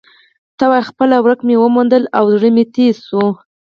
ته وا خپله ورکه مې وموندله او زړه مې تیز شو.